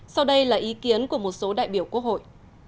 sau đây là ý kiến của một số đại biểu quốc hội